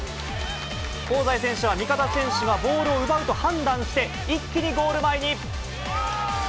香西選手は味方選手がボールを奪うと判断して、一気にゴール前に。